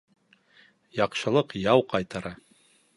Яҡшылыҡ яу ҡайтара.